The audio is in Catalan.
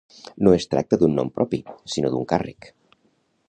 No es tracta d'un nom propi, sinó d'un càrrec.